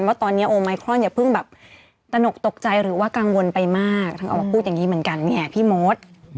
ว่าตอนนี้โอไมครอนอย่าเพิ่งแบบตนกตกใจหรือว่ากังวลไปมากถึงออกมาพูดอย่างนี้เหมือนกันไงพี่มด